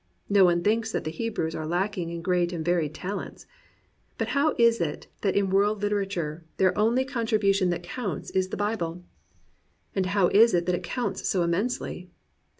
No one thinks that the Hebrews are lacking in great and varied talents; but how is it that in world literature their only con 6 THE BOOK OF BOOKS tribution that counts is the Bible? And how is it that it counts so immensely